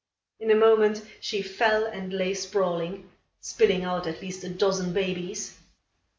In a moment, she fell and lay sprawling, spilling out at least a dozen babies.